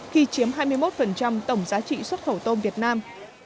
khi chiếm hai mươi một tổng giá trị xuất khẩu tôm việt nam